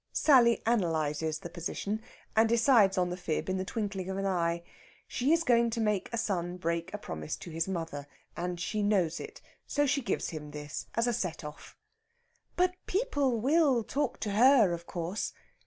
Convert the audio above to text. Sally analyses the position, and decides on the fib in the twinkling of an eye. She is going to make a son break a promise to his mother, and she knows it. So she gives him this as a set off. "But people will talk to her, of course!